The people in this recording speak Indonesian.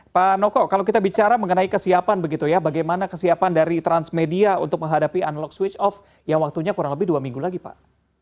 pak noko kalau kita bicara mengenai kesiapan begitu ya bagaimana kesiapan dari transmedia untuk menghadapi analog switch off yang waktunya kurang lebih dua minggu lagi pak